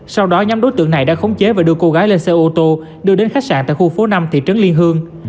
sau đó nhóm đối tượng này đã khống chế và đưa cô gái lên xe ô tô đưa đến khách sạn tại khu phố năm thị trấn liên hương